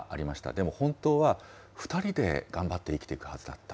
でも本当は、２人で頑張って生きていくはずだった。